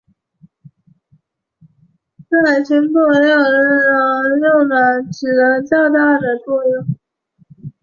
在秦灭六国之战的事业中起了较大作用。